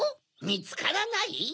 「みつからない」？